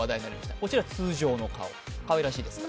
こちら、通常の顔、かわいらしいですね。